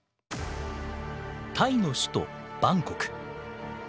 タイの首都バンコク。